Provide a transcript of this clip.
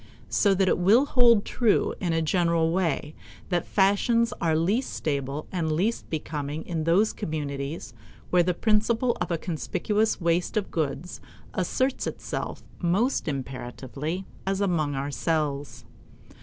So that it will hold true in a general way that fashions are least stable and least becoming in those communities where the principle of a conspicuous waste of goods asserts itself most imperatively, as among ourselves.